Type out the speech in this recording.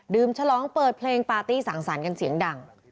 ฉลองเปิดเพลงปาร์ตี้สั่งสรรค์กันเสียงดัง